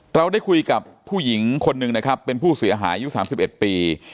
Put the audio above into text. เราได้คุยกับผู้หญิงคนหนึ่งนะครับเป็นผู้เสียหายอายุ๓๑ปี